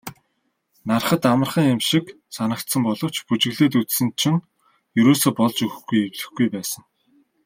Hарахад амархан юм шиг санагдсан боловч бүжиглээд үзсэн чинь ерөөсөө болж өгөхгүй эвлэхгүй байсан.